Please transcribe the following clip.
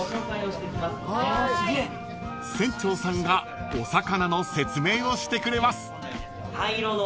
［船長さんがお魚の説明をしてくれます］